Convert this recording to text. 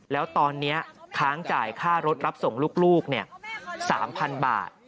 แล้วตอนนี้ค้างจ่ายค่ารถรับส่งลูก๓๐๐๐บาท